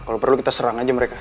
kalau perlu kita serang aja mereka